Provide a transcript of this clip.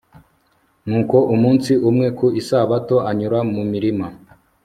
Nuko umunsi umwe ku isabato anyura mu mirima